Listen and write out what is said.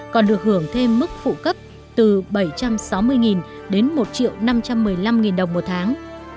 còn được hưởng thêm mức phụ cấp từ bảy trăm sáu mươi đến một năm trăm một mươi năm đồng một tháng